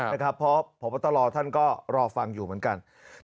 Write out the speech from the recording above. เพราะพบตรท่านก็รอฟังอยู่เหมือนกัน